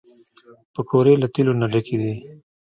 پکورې له تیلو نه ډکې دي